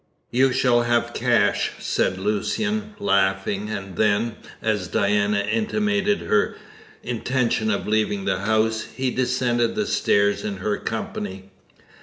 "You shall have cash," said Lucian, laughing; and then, as Diana intimated her intention of leaving the house, he descended the stairs in her company.